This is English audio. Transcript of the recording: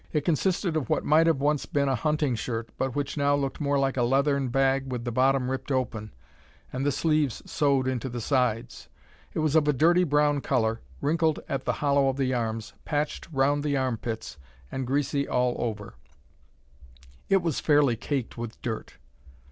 It consisted of what might have once been a hunting shirt, but which now looked more like a leathern bag with the bottom ripped open, and the sleeves sewed into the sides. It was of a dirty brown colour, wrinkled at the hollow of the arms, patched round the armpits, and greasy all over; it was fairly caked with dirt!